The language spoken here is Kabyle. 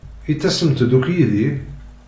I tasemt-d akk yid-i?